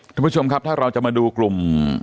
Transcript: ท่านผู้ชมครับถ้าเราจะมาดูกลุ่ม